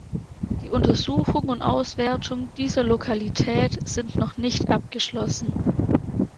Die Untersuchung und Auswertung dieser Lokalität sind noch nicht abgeschlossen.